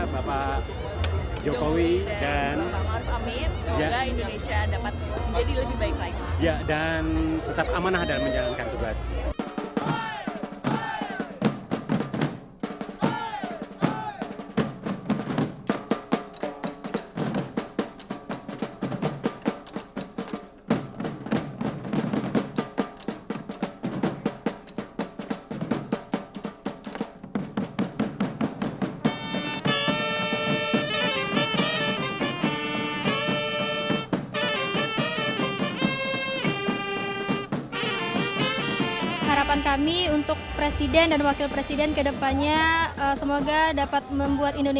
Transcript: bapak jokowi dan bapak ma'ruf amin